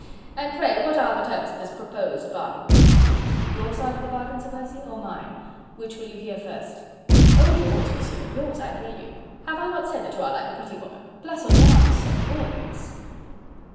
And pray what are the terms of this proposed bargain?" "Your side of the bargain, Sir Percy, or mine? Which will you hear first?" "Oh yours, Monsieur... yours, I pray you.... Have I not said that you are like a pretty woman?... Place aux dames, sir! always!"